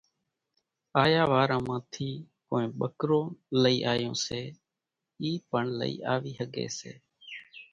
آيا واران مان ٿي ڪونئين ٻڪرون لئِي آيون سي اِي پڻ لئين آوي ۿڳي سي،